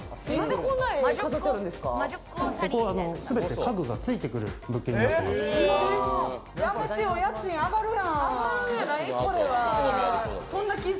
ここ全て家具が付いてくる物件になっております。